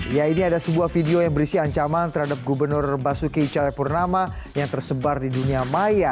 ya ini ada sebuah video yang berisi ancaman terhadap gubernur basuki cahayapurnama yang tersebar di dunia maya